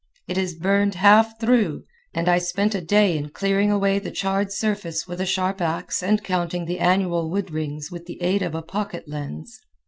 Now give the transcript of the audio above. It is burned half through, and I spent a day in clearing away the charred surface with a sharp ax and counting the annual wood rings with the aid of a pocket lens.